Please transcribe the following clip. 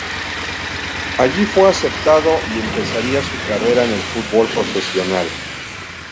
Allí, fue aceptado y empezaría su carrera en el fútbol profesional.